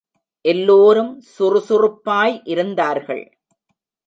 எல்லோரும் சுறுசுறுப்பாய் இருந்தார்கள்.